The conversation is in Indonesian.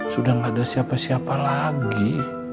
sudah tidak ada siapa siapa lagi